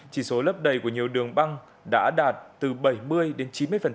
chỉ số lấp đầy của nhiều đường băng đã đạt từ bảy mươi đến chín mươi